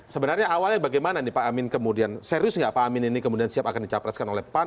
sebenarnya awalnya bagaimana nih pak amin kemudian serius nggak pak amin ini kemudian siap akan dicapreskan oleh pan